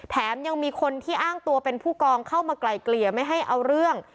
แถมยังมีคนที่อ้างตัวเป็นผู้กองเข้ามาไกลเกลี่ยไม่ให้เอาเรื่อง